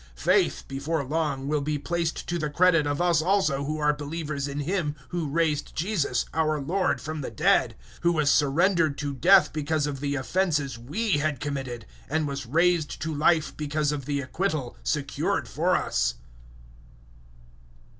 Faith, before long, will be placed to the credit of us also who are believers in Him who raised Jesus, our Lord, from the dead, 004:025 who was surrendered to death because of the offences we had committed, and was raised to life because of the acquittal secured for us.